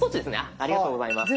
ありがとうございます。